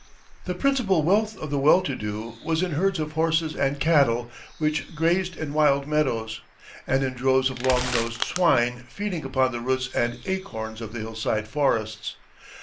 The principal wealth of the well to do was in herds of horses and cattle which grazed in wild meadows, and in droves of long nosed swine feeding upon the roots and acorns of the hillside forests.